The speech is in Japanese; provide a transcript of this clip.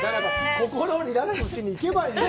心のリラックスしに行けばいい。